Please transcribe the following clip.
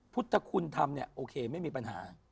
พุทธคุณทำเนี่ยโอเคไม่มีปัญหา